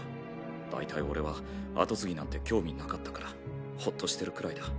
だいたい俺は跡継ぎなんて興味なかったからほっとしてるくらいだ。